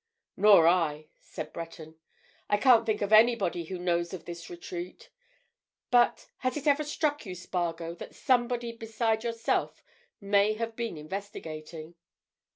"Nor I," said Breton. "I can't think of anybody who knows of this retreat. But—has it ever struck you, Spargo, that somebody beside yourself may have been investigating?"